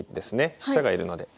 飛車が居るので。